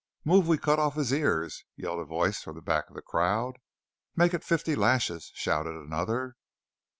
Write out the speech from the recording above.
"Move we cut off his ears!" yelled a voice from the back of the crowd. "Make it fifty lashes!" shouted another.